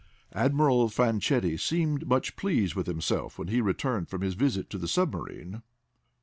Admiral Fanchetti seemed much pleased with himself when he returned from his visit to the submarine.